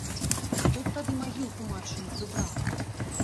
Хто б тады магілку матчыну прыбраў?